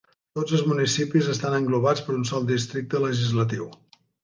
Tots els municipis estan englobats per un sol districte legislatiu.